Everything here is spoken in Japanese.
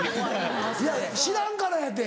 いや知らんからやて。